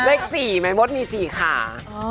เลข๔ไหมมดมี๔ขา